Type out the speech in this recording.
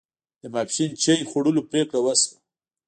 د ماپښین چای خوړلو پرېکړه وشوه.